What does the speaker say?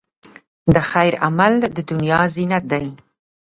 د خیر عمل، د دنیا زینت دی.